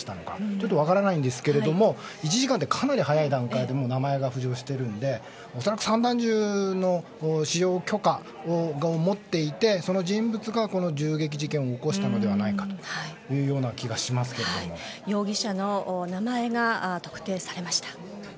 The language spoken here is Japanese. ちょっと分からないんですけれどもかなり早い段階で名前が浮上しているので恐らく散弾銃の使用許可を持っていて、その人物が銃撃事件を起こしたのではないか容疑者の名前が特定されました。